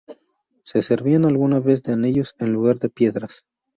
Se servían alguna vez de anillos en lugar de piedras.